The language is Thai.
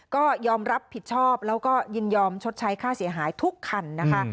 ก็ยอมรับผิดชอบแล้วก็ยินยอมชดใช้ค่าเสียหายทุกคันนะคะ